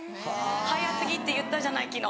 「早過ぎって言ったじゃない昨日！」